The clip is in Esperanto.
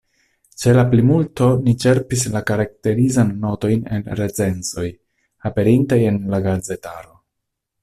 Ĉe la plimulto ni ĉerpis la karakterizajn notojn el recenzoj, aperintaj en la gazetaro.